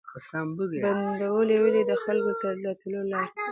بندولې یې د خلکو د تلو لاري